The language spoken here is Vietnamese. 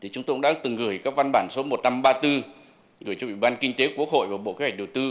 chúng tôi cũng đã từng gửi các văn bản số một nghìn năm trăm ba mươi bốn gửi cho ủy ban kinh tế quốc hội và bộ kế hoạch đầu tư